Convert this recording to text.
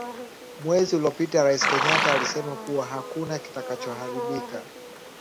mwezi uliopita Raisi Kenyatta alisema kuwa hakuna kitakacho haribika